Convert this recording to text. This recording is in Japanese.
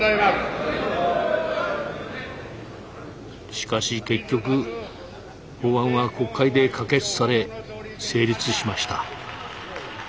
しかし結局法案は国会で可決され成立しました。